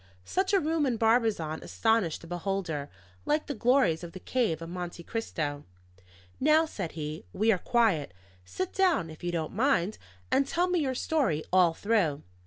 Such a room in Barbizon astonished the beholder, like the glories of the cave of Monte Cristo. "Now," said he, "we are quiet. Sit down, if you don't mind, and tell me your story all through."